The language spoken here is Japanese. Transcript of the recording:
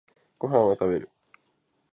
ご飯を食べる